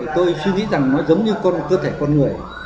tôi suy nghĩ rằng nó giống như con cơ thể con người